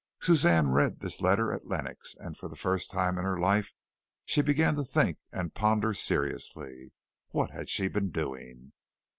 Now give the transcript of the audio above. Suzanne read this letter at Lenox, and for the first time in her life she began to think and ponder seriously. What had she been doing?